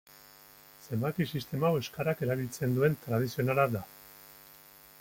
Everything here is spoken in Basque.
Zenbaki-sistema hau euskarak erabiltzen duen tradizionala da.